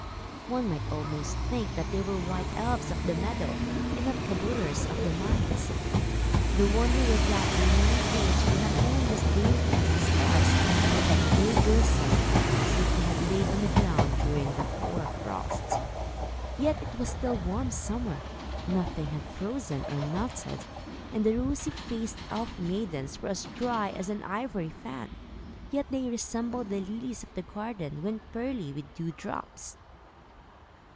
One might almost think they were white elves of the meadow and not kabouters of the mines. The wonder was that their linen clothes were not only as dainty as stars, but that they glistened, as if they had laid on the ground during a hoar frost. Yet it was still warm summer. Nothing had frozen, or melted, and the rosy faced elf maidens were as dry as an ivory fan. Yet they resembled the lilies of the garden when pearly with dew drops.